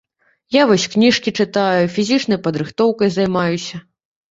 Я вось кніжкі чытаю, фізічнай падрыхтоўкай займаюся.